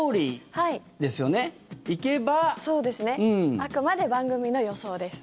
あくまで番組の予想です。